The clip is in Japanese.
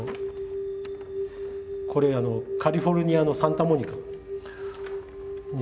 これカリフォルニアのサンタモニカの釣り鐘。